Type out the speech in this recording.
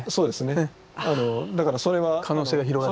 だからそれは可能性が広がる。